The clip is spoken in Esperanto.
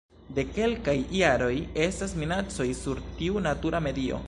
De kelkaj jaroj estas minacoj sur tiu natura medio.